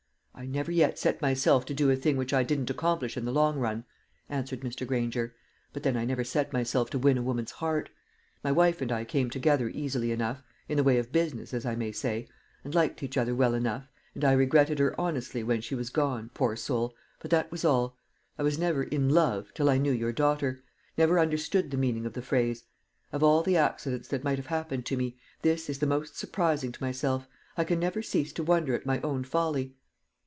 "I never yet set myself to do a thing which I didn't accomplish in the long run," answered Mr. Granger; "but then I never set myself to win a woman's heart. My wife and I came together easily enough in the way of business, as I may say and liked each other well enough, and I regretted her honestly when she was gone, poor soul! but that was all. I was never 'in love' till I knew your daughter; never understood the meaning of the phrase. Of all the accidents that might have happened to me, this is the most surprising to myself. I can never cease to wonder at my own folly."